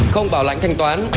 không bảo lãnh thanh toán